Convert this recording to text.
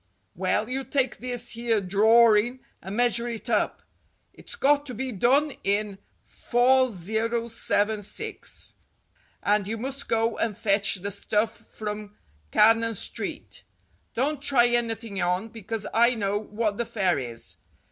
"Well, you take this here drorin' and measure it up. It's got to be done in 4076, and you must go and fetch the stuff from Cannon Street. Don't try anything on, because I know what the fare is.